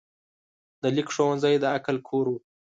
د لیک ښوونځی د عقل کور و.